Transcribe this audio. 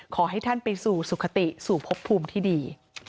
ขอให้ท่านไปสู่สุขติสู่พบภูมิที่ดี